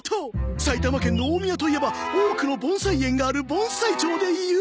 埼玉県の大宮といえば多くの盆栽園がある盆栽町で有名！